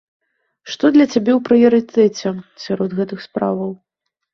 Што для цябе ў прыярытэце сярод гэтых справаў?